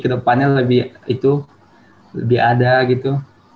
kedepannya lebih itu lebih ada gitu